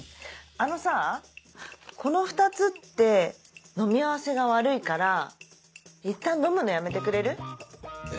あのさこの２つって飲み合わせが悪いからいったん飲むのやめてくれる？え？